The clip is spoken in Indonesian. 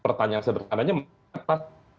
pertanyaan yang sebenarnya